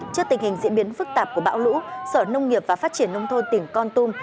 trước tình hình diễn biến phức tạp của bão lũ sở nông nghiệp và phát triển nông thôn tỉnh con tum